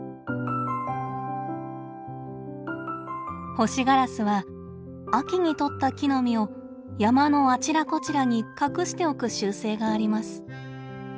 ホシガラスは秋にとった木の実を山のあちらこちらに隠しておく習性があります。